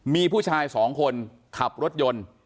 มีผู้ชายสองคนขับรถยนต์